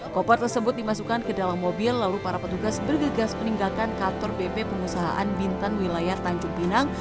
koper tersebut dimasukkan ke dalam mobil lalu para petugas bergegas meninggalkan kantor bp pengusahaan bintan wilayah tanjung pinang